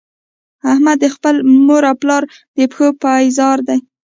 احمد د خپل مور او پلار د پښو پایزار دی.